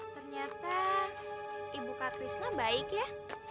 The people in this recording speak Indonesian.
ternyata ibu kak krisna baik ya